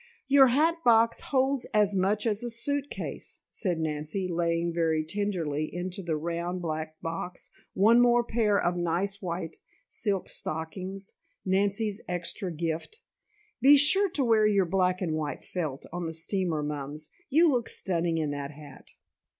"Your hat box holds as much as a suitcase," said Nancy, laying very tenderly into the round, black box, one more pair of nice, white silk stockings, Nancy's extra gift. "Be sure to wear your black and white felt on the steamer, Mums. You look stunning in that hat."